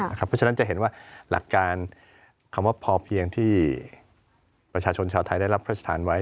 เพราะฉะนั้นจะเห็นว่าหลักการคำว่าพอเพียงที่ประชาชนชาวไทยได้รับพระราชทานไว้